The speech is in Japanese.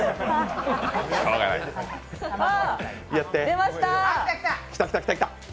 出ました！